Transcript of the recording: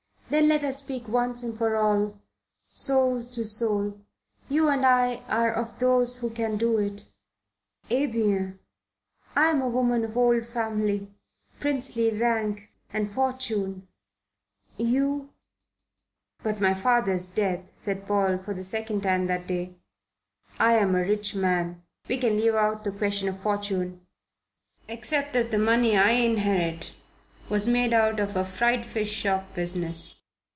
"Then let us speak once and for all, soul to soul. You and I are of those who can do it. Eh bien. I am a woman of old family, princely rank and fortune you " "By my father's death," said Paul, for the second time that day, "I am a rich man. We can leave out the question of fortune except that the money I inherit was made out of a fried fish shop business.